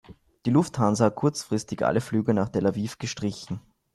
Die Lufthansa hat kurzfristig alle Flüge nach Tel Aviv gestrichen.